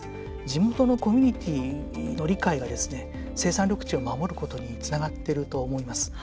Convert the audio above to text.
地元のコミュニティーの理解が生産緑地を守ることにつながってると思います。